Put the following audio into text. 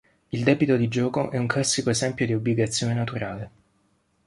Il debito di gioco è un classico esempio di obbligazione naturale.